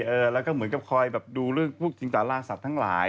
เออแล้วก็เหมือนกับคอยแบบดูเรื่องพวกจิงสาราสัตว์ทั้งหลาย